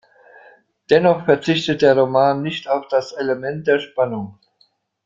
Dennoch verzichtet der Roman nicht auf das Element der Spannung.